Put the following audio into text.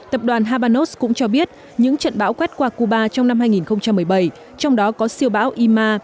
tập đoàn habanos cũng cho biết những trận bão quét qua cuba trong năm hai nghìn một mươi bảy trong đó có siêu bão ima